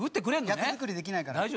役作りできないから。